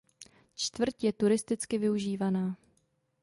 Čtvrť je turisticky využívaná.